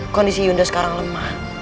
kondisi yunda sekarang lemah